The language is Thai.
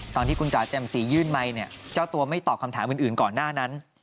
ตอนที่คุณจ๋าแจ่มสียื่นไมค์เนี่ยเจ้าตัวไม่ตอบคำถามอื่นก่อนหน้านั้น